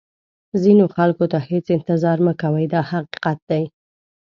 ځینو خلکو ته هېڅ انتظار مه کوئ دا حقیقت دی.